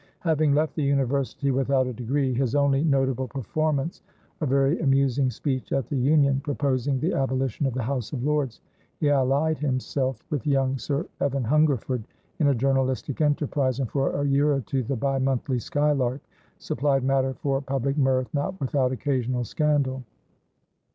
Having left the University without a degreehis only notable performance a very amusing speech at the Union, proposing the abolition of the House of Lordshe allied himself with young Sir Evan Hungerford in a journalistic enterprise, and for a year or two the bi monthly Skylark supplied matter for public mirth, not without occasional scandal.